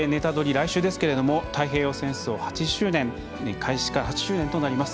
来週ですけれども、太平洋戦争開戦から８０年となります。